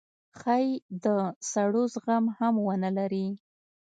ښايي د سړو زغم هم ونه لرئ